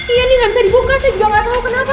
iya nih nggak bisa dibuka saya juga nggak tahu kenapa